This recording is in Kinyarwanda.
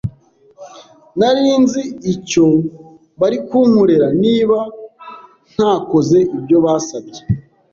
Nari nzi icyo bari kunkorera niba ntakoze ibyo basabye.